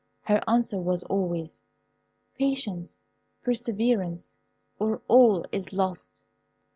Her answer was always, "Patience, perseverance, or all is lost."